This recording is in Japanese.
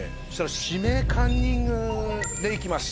「指名カンニング」で行きます。